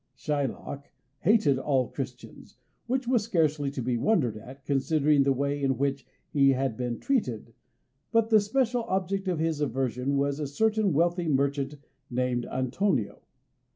Shylock hated all Christians, which was scarcely to be wondered at, considering the way in which he had been treated, but the special object of his aversion was a certain wealthy merchant named Antonio.